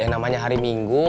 yang namanya hari minggu